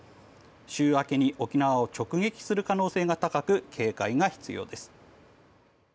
週明けに沖縄を直撃する可能性が高く警戒が必要です。